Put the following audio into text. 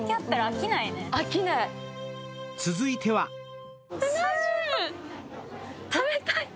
続いては食べたい！